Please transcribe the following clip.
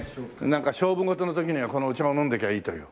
なんか勝負事の時にはこのお茶を飲んでいきゃいいという。